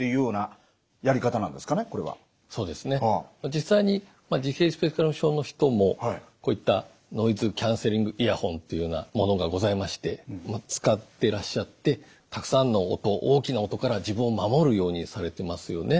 実際に自閉スペクトラム症の人もこういったノイズキャンセリングイヤホンっていうようなものがございまして使ってらっしゃってたくさんの音大きな音から自分を守るようにされてますよね。